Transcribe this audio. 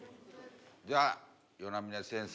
じゃ與那嶺先生